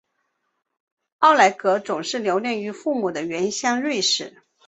奥乃格总是留恋于父母的原乡瑞士。